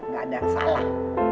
gak ada yang salah